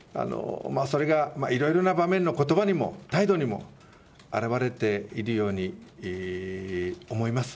それがいろいろな場面のことばにも、態度にも表れているように思います。